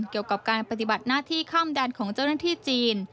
เกี่ยวกับการปฏิบัติหน้าที่ข้ามแดนของเจ้าหน้าที่จีน